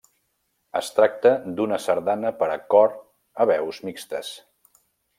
Es tracta d'una sardana per a cor a veus mixtes.